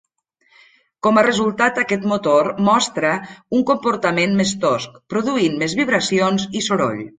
Com a resultat aquest motor mostra un comportament més tosc, produint més vibracions i soroll.